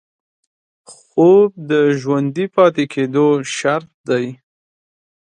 خوب د ژوندي پاتې کېدو شرط دی